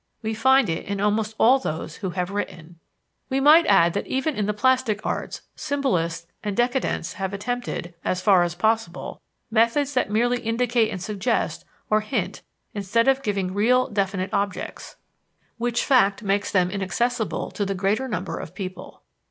We find it in almost all those who have written." We might add that even in the plastic arts, symbolists and "décadents" have attempted, as far as possible, methods that merely indicate and suggest or hint instead of giving real, definite objects: which fact makes them inaccessible to the greater number of people.